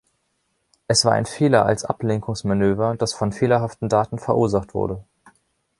Es war ein Fehler als Ablenkungsmanöver, das von fehlerhaften Daten verursacht wurde.